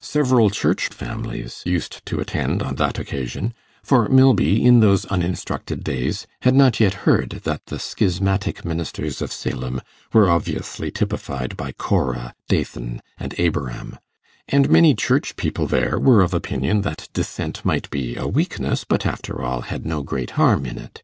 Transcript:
Several Church families used to attend on that occasion, for Milby, in those uninstructed days, had not yet heard that the schismatic ministers of Salem were obviously typified by Korah, Dathan, and Abiram; and many Church people there were of opinion that Dissent might be a weakness, but, after all, had no great harm in it.